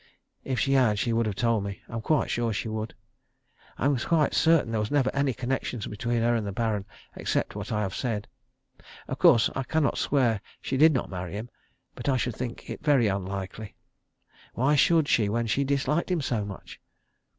If she had she would have told me. I am quite sure she would. I am quite certain there was never any connection between her and the Baron except what I have said. Of course I cannot swear she did not marry him, but I should think it very unlikely. Why should she when she disliked him so much?